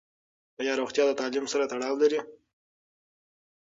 ایا روغتیا د تعلیم سره تړاو لري؟